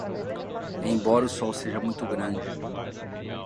Embora o sol seja muito grande